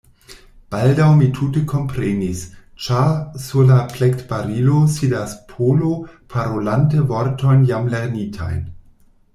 Baldaŭ mi tute komprenis; ĉar, sur la plektbarilo, sidas Polo, parolante vortojn jam lernitajn.